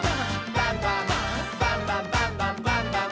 バンバン」「バンバンバンバンバンバン！」